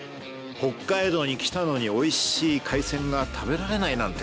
北海道に来たのにおいしい海鮮が食べられないなんて。